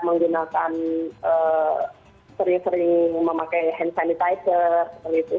menggunakan sering sering memakai hand sanitizer seperti itu